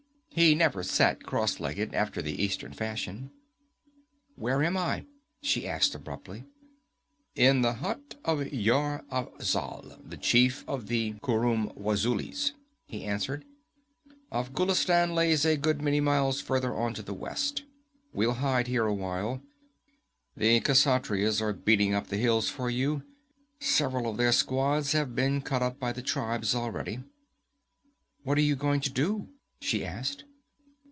He never sat cross legged, after the Eastern fashion. 'Where am I?' she asked abruptly. 'In the hut of Yar Afzal, the chief of the Khurum Wazulis,' he answered. 'Afghulistan lies a good many miles farther on to the west. We'll hide here awhile. The Kshatriyas are beating up the hills for you several of their squads have been cut up by the tribes already.' 'What are you going to do?' she asked.